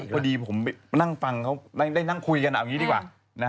พอดีผมไปนั่งฟังเขาได้นั่งคุยกันเอาอย่างนี้ดีกว่า